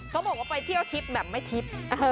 เขาบอกว่าไปเที่ยวทริปแบบไม่ทริป